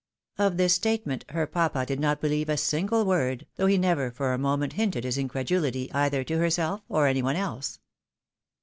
Of this statement her papa did not believe a single word, though he never for a moment hinted his incredulity either to herself or any one else.